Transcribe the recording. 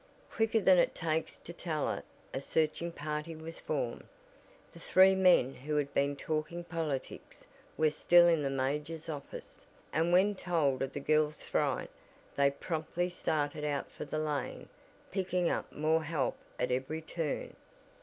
Quicker than it takes to tell it a searching party was formed. The three men who had been talking politics were still in the major's office, and when told of the girl's fright they promptly started out for the lane picking up more help at every turn.